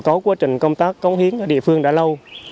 có quá trình công tác cống hiến ở địa phương đã lâu